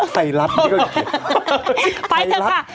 ใสรัดนี่ก็ไปกว่านี้